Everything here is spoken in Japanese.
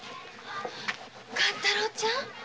勘太郎ちゃん？